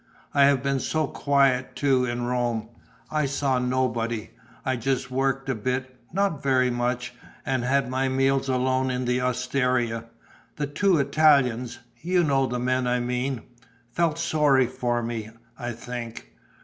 I have been so quiet too in Rome. I saw nobody; I just worked a bit, not very much; and I had my meals alone in the osteria. The two Italians you know the men I mean felt sorry for me, I think.